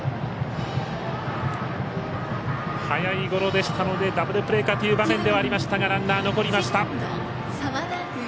速いゴロでしたのでダブルプレーかという場面ではありましたがランナー、残りました。